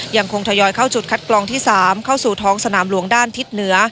ยังคงทยอยเข้าจุดคัดกรองที่๓เข้าสู่ท้องสนามหลวงด้านทิศเหนือ